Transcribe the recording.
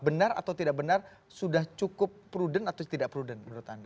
benar atau tidak benar sudah cukup prudent atau tidak prudent menurut anda